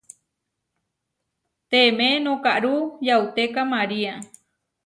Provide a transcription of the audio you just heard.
Teemé nokáru yauteka María.